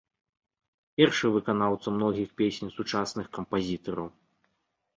Першы выканаўца многіх песень сучасных кампазітараў.